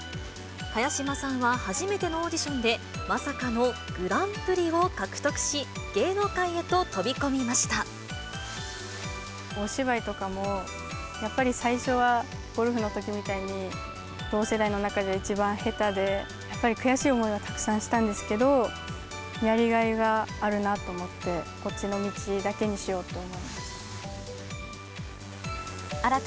茅島さんは初めてのオーディションでまさかのグランプリを獲得し、お芝居とかも、やっぱり最初はゴルフのときみたいに、同世代の中で一番下手で、やっぱり悔しい思いはたくさんしたんですけど、やりがいがあるなと思って、こっちの道だけにしようと思いました。